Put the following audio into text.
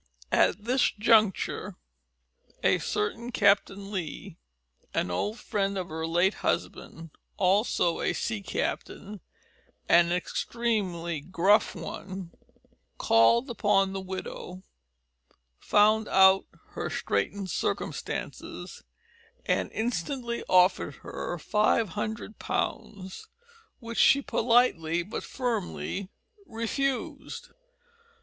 At this juncture a certain Captain Lee, an old friend of her late husband also a sea captain, and an extremely gruff one called upon the widow, found out her straitened circumstances, and instantly offered her five hundred pounds, which she politely but firmly refused.